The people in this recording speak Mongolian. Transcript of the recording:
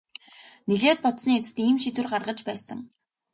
Нэлээд бодсоны эцэст ийм шийдвэр гаргаж байсан.